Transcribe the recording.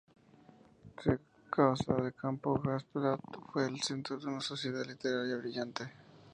Su casa de campo en Hampstead fue el centro de una sociedad literaria brillante.